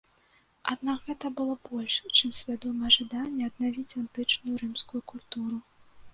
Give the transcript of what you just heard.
Аднак гэта было больш, чым свядомае жаданне аднавіць антычную рымскую культуру.